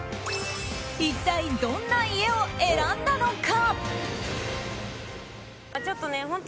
一体どんな家を選んだのか。